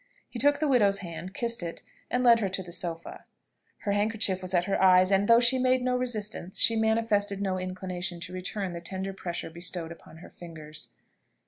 He took the widow's hand, kissed it, and led her to the sofa. Her handkerchief was at her eyes, and though she made no resistance, she manifested no inclination to return the tender pressure bestowed upon her fingers.